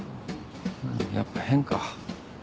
やっぱ変か。